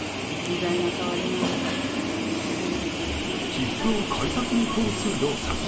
切符を改札に通す動作。